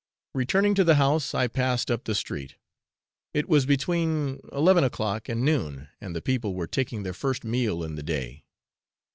Returning to the house, I passed up the 'street.' It was between eleven o'clock and noon, and the people were taking their first meal in the day.